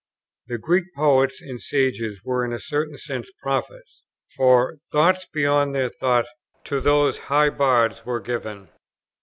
The Greek poets and sages were in a certain sense prophets; for "thoughts beyond their thought to those high bards were given."